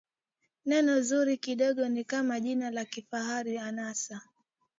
neno zuri kidogo ni kama jina la kifahari anasa